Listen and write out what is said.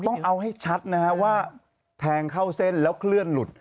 ต้องเอาให้ชัดนะฮะว่าแทงเข้าเส้นแล้วเคลื่อนหลุด